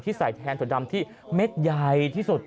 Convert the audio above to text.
ใส่แทนถั่วดำที่เม็ดใหญ่ที่สุด